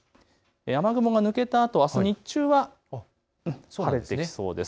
雨雲が抜けたあと、あす日中は晴れてきそうです。